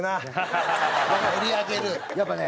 やっぱね